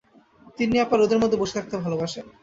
তিন্নি আপা রোদের মধ্যে বসে থাকতে ভালবাসেন।